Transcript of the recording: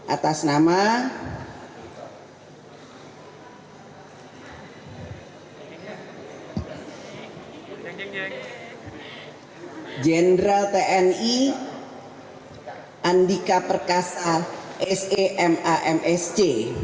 atas nama jenderal tni andika perkasa semamsc